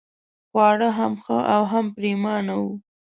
خواړه هم ښه او هم پرېمانه وو.